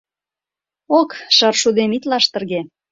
Ок, шаршудем, ит лаштырге